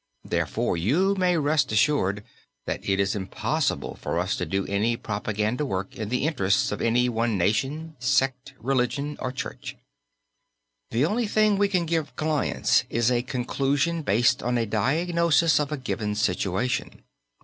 Therefore you may rest assured that it is impossible for us to do any propaganda work in the interests of any one nation, sect, religion or church. The only thing we can give clients is a conclusion based on a diagnosis of a given situation.